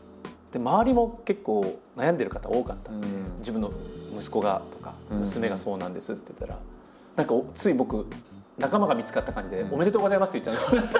周りも結構悩んでる方多かったんで「自分の息子が」とか「娘がそうなんです」って言ったら何かつい僕仲間が見つかった感じで「おめでとうございます！」って言っちゃうんですよね。